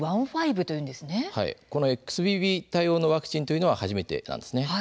このＸＢＢ対応のワクチンというのは初めてなんですね。